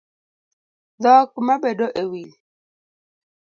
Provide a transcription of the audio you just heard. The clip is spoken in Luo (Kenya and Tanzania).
Dhok ma bedo e wiI